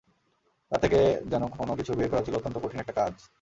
তাঁর কাছ থেকে কোনো কিছু বের করা ছিল অত্যন্ত কঠিন একটা কাজ।